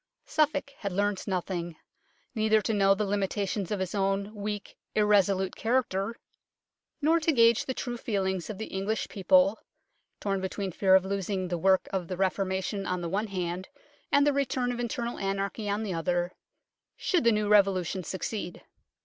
Suffolk had learnt nothing : neither to know the limitations of his own weak, irresolute character HEAD OF THE DUKE OF SUFFOLK 9 nor to gauge the true feelings of the English people, torn between fear of losing the work of the Reformation on the one hand, and the return of internal anarchy on the other should the new revolution succeed.